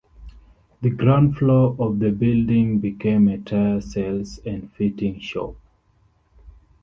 The ground floor of the building became a tyre sales and fitting shop.